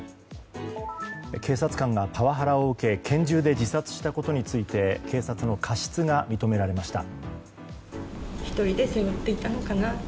警察官がパワハラを受け拳銃で自殺したことについて警察の過失が認められました。